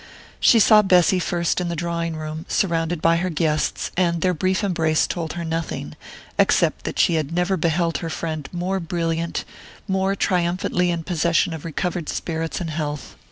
She saw Bessy first in the drawing room, surrounded by her guests; and their brief embrace told her nothing, except that she had never beheld her friend more brilliant, more triumphantly in possession of recovered spirits and health.